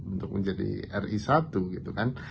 untuk menjadi ri satu gitu kan